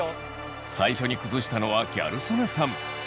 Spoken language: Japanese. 最初に崩したのはギャル曽根さん。